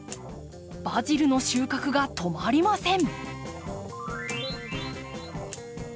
バジルの収穫が止まりません。